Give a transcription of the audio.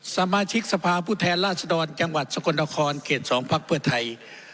สมาชิกสภาพูดแทนราชดรจังหวัดสกรณคลเกษสองภักดิ์เพื่อไทย